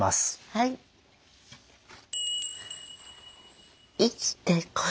はい。